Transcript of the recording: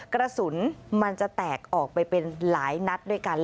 กระสุนมันจะแตกออกไปเป็นหลายนัดด้วยกัน